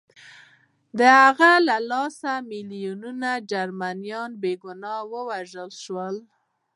د هغوی له لاسه میلیونونه جرمنان بې ګناه ووژل شول